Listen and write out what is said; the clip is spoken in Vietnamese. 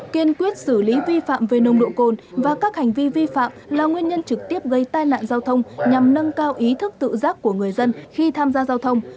kiên quyết xử lý vi phạm về nồng độ cồn và các hành vi vi phạm là nguyên nhân trực tiếp gây tai nạn giao thông nhằm nâng cao ý thức tự giác của người dân khi tham gia giao thông